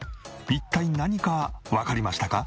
一体何かわかりましたか？